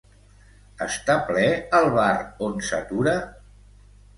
Està ple el bar on s'atura?